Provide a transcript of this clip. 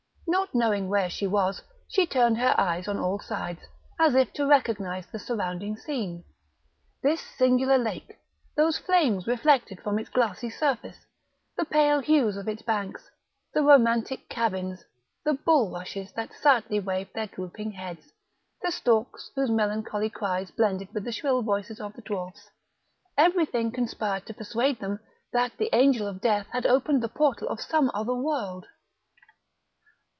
Not knowing where she was, she turned her eyes on all sides, as if to recognise the surrounding scene; this singular lake, those flames reflected from its glassy surface, the pale hues of its banks, the romantic cabins, the bulrushes that sadly waved their drooping heads, the storks whose melancholy cries blended with the shrill voices of the dwarfs, everything conspired to persuade them that the Angel of Death had opened the portal of some other world.